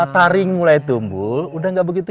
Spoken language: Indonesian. taring mulai tumbul sudah tidak begitu